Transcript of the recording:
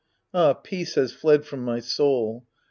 Ah, peace has fled from my soul.